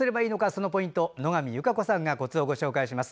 そのポイント、野上優佳子さんがコツをご紹介します。